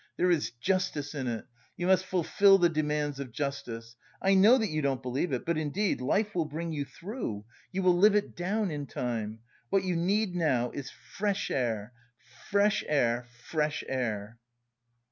There is justice in it. You must fulfil the demands of justice. I know that you don't believe it, but indeed, life will bring you through. You will live it down in time. What you need now is fresh air, fresh air, fresh air!"